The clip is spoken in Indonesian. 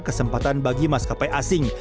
kesempatan bagi maskapai asing